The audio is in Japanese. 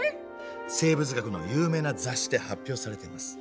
生物学の有名な雑誌で発表されてます。